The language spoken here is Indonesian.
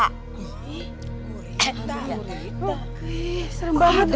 oke serem banget lah gurita